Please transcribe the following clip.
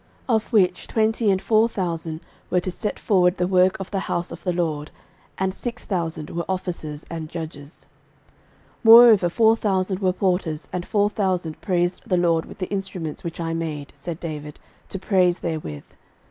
13:023:004 Of which, twenty and four thousand were to set forward the work of the house of the LORD; and six thousand were officers and judges: 13:023:005 Moreover four thousand were porters; and four thousand praised the LORD with the instruments which I made, said David, to praise therewith.